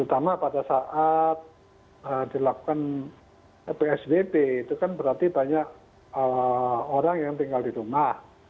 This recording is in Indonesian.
terutama pada saat dilakukan psbb itu kan berarti banyak orang yang tinggal di rumah